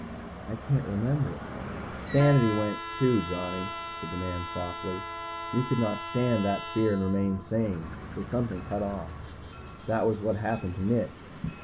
"I can't remember " "Sanity went, too, Johnny," said the man softly. "You could not stand that fear and remain sane, so something cut off. That was what happened to Mitch."